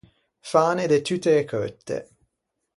Fâne de tutte e cheutte.